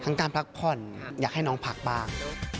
การพักผ่อนอยากให้น้องพักบ้าง